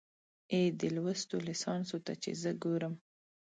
اې، دې لوستو ليسانسو ته چې زه ګورم